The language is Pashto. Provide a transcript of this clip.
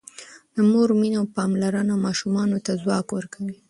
د مور مینه او پاملرنه ماشومانو ته ځواک ورکوي.